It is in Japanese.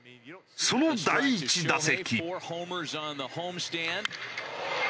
その第１打席。